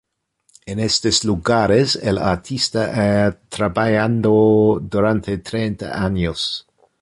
En estos lugares el artista ha trabajado durante treinta años.